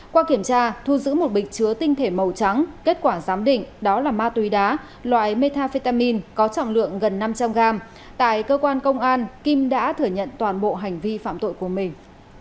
qua kiểm tra thu giữ một bịch chứa tinh thể màu trắng kết quả giám định đó là ma túy đá loại metafetamin có trọng lượng gần năm trăm linh gram tại cơ quan công an kim đã thừa nhận toàn bộ hành vi phạm tội của mình